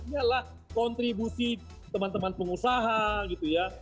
ini adalah kontribusi teman teman pengusaha gitu ya